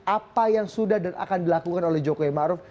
apa yang sudah dan akan dilakukan oleh jokowi maruf